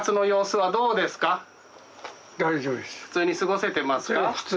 普通に過ごせてますか？